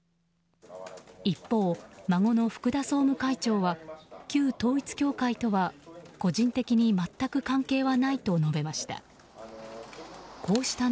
一方、孫の福田総務会長は旧統一教会とは、個人的に全く関係はないと延べました。